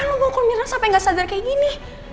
kenapa yang lu bongkol mirna sampe gak sadar kayak gini